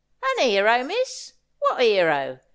' An 'ero, miss. What 'ero